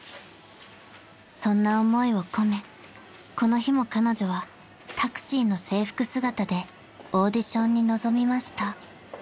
［そんな思いを込めこの日も彼女はタクシーの制服姿でオーディションに臨みました］